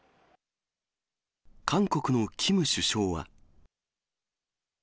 韓国のキム首相は。